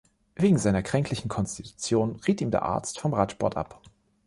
Wegen seiner kränklichen Konstitution riet ihm der Arzt vom Radsport ab.